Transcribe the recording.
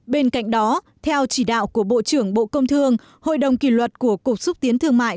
bên cạnh đó theo chỉ đạo của bộ trưởng bộ công thương hội đồng kỷ luật của cục xúc tiến thương mại